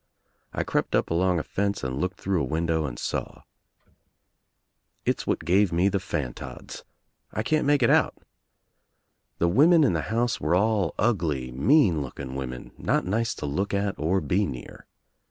I crept up along a fence and looked through a window and saw. It's what give me the fantods. I can't make it out. The women in the house were all ugly mean looking l8 THE TRIUMPH OF THE EGG women, not nice to look at or be near.